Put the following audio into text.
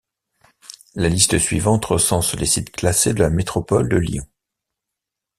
La liste suivante recense les sites classés de la métropole de Lyon.